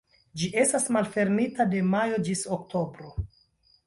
Ĝi estas malfermita de majo ĝis oktobro.